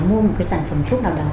mua một sản phẩm thuốc nào đó